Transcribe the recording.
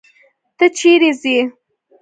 ته چيري ځې؟